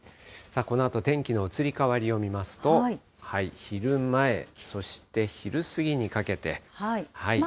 このあと天気の移り変わりを見ますと、昼前、そして昼過ぎにかけて。